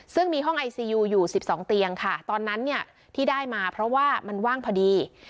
ซึ่งมีห้องไอซียูอยู่๑๒เตียงค่ะตอนนั้นเนี่ยที่ได้มาเพราะว่ามันว่างพอดี